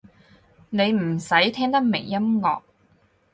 你唔使聽得明音樂